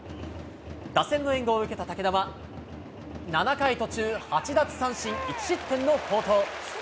打線の援護を受けた武田は、７回途中８奪三振１失点の好投。